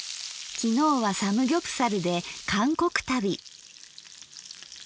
きのうはサムギョプサルで韓国旅。